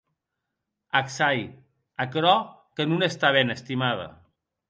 Ac sai; aquerò que non està ben, estimada.